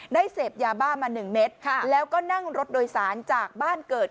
ได้เสพยาบ้ามาหนึ่งเมตรค่ะแล้วก็นั่งรถโดยสารจากบ้านเกิด